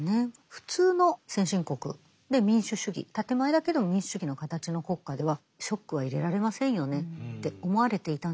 普通の先進国で民主主義建て前だけど民主主義の形の国家ではショックは入れられませんよねって思われていたんですけど